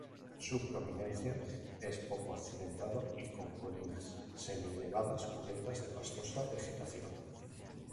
Su prominencia es poco accidentado y con colinas semi-elevadas cubiertas de pastosa vegetación.